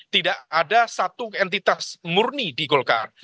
tidak ada satu entitas murni di golkar